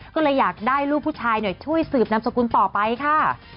ก็เลยอยากได้ลูกผู้ชายช่วยสืบนามสกุลต่อไปค่ะ